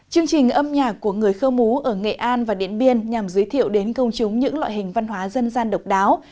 chương trình âm nhạc của người khơ mú ở nghệ an và điện biên nhằm giới thiệu đến công chúng những loại hình văn hóa dân gian độc đáo